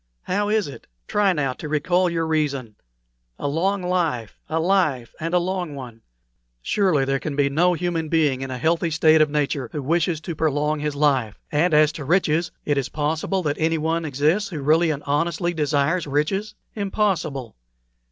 How is it! Try now to recall your reason. A long life a life, and a long one! Surely there can be no human being in a healthy state of nature who wishes to prolong his life; and as to riches, it is possible that anyone exists who really and honestly desires riches? Impossible!